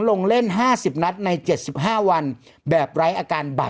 พี่ปั๊ดเดี๋ยวมาที่ร้องให้